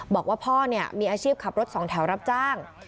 บอกว่าพ่อมีอาชีพขับรถสองแถวรับจ้าง